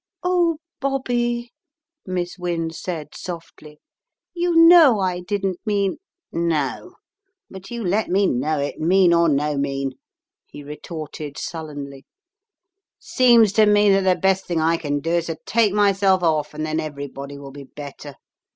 "Oh, Bobby," Miss Wynne said, softly, "you know I didn't mean " "No, but you let me know it, mean or no mean," he retorted sullenly, "seems to me that the best thing I can do is to take myself off, and then everybody will be better.